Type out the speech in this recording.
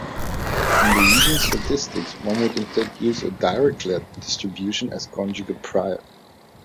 In Bayesian statistics, one would instead use a Dirichlet distribution as conjugate prior.